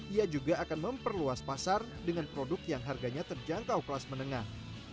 ia juga akan memperluas pasar dengan produk yang harganya terjangkau kelas menengah